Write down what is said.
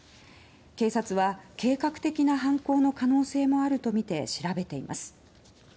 警察は計画的な犯行の可能性もあるとみて調べています。